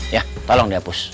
ya tolong dihapus